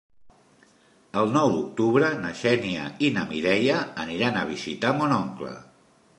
El nou d'octubre na Xènia i na Mireia aniran a visitar mon oncle.